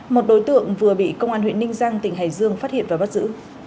một đối tượng vừa bị công an huyện ninh giang tỉnh hải dương phát hiện và bắt giữ